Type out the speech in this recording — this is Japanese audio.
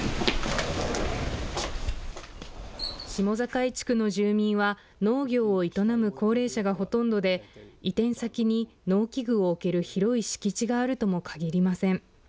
下境地区の住民は農業を営む高齢者がほとんどで移転先に農機具を置ける広い敷地があるともかぎりません。